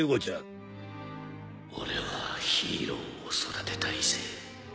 俺はヒーローを育てたいぜ